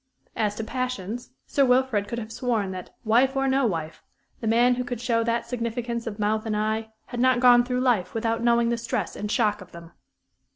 As to passions, Sir Wilfrid could have sworn that, wife or no wife, the man who could show that significance of mouth and eye had not gone through life without knowing the stress and shock of them.